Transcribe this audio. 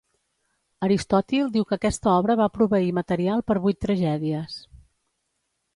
Aristòtil diu que aquesta obra va proveir material per vuit tragèdies.